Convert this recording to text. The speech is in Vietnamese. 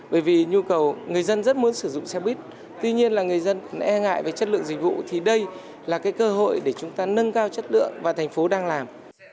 bởi vì nhu cầu người dân rất muốn sử dụng xe buýt tuy nhiên là người dân e ngại về chất lượng dịch vụ thì đây là cái cơ hội để chúng ta nâng cao chất lượng và thành phố đang làm